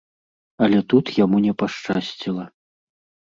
Але тут яму не пашчасціла.